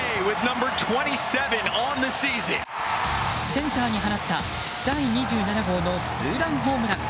センターに放った第２７号のツーランホームラン。